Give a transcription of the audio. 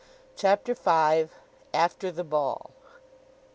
CHAPTER V. AFTER THE BALL.